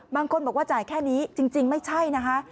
บางคนบอกว่าจ่ายแค่นี้จริงไม่ใช่นะคะ